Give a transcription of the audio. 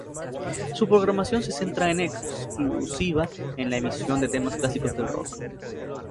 Su programación se centra en exclusiva en la emisión de temas clásicos del rock.